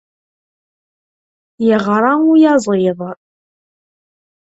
Yeɣra uyaẓiḍ.